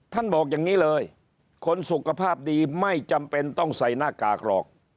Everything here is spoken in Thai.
บอกอย่างนี้เลยคนสุขภาพดีไม่จำเป็นต้องใส่หน้ากากหรอก